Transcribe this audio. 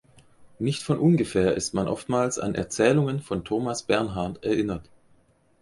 Nicht von Ungefähr ist man oftmals an Erzählungen von Thomas Bernhard erinnert.